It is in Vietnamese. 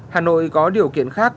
hà nội có điều kiện khác